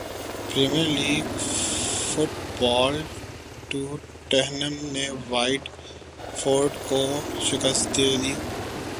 premiere League football Tottenham نے Watford کو شکست دیدی